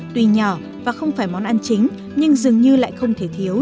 tuy nhỏ và không phải món ăn chính nhưng dường như lại không thể thiếu